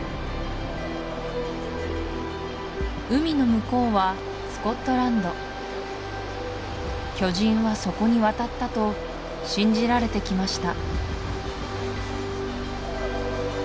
海の向こうはスコットランド巨人はそこに渡ったと信じられてきました